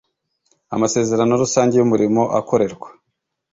Amasezerano rusange y umurimo akorerwa